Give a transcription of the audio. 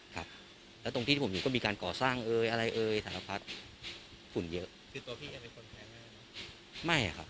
ครับแล้วตรงที่ผมอยู่ก็มีการก่อสร้างเอ้ยอะไรเอ้ยศาลพัฒน์ฝุ่นเยอะ